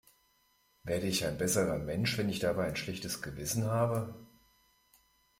Werde ich ein besserer Mensch, wenn ich dabei ein schlechtes Gewissen habe?